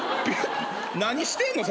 何してんの？